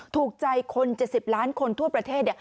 ถูกใจคน๗๐ล้านคนทั่วประเทศ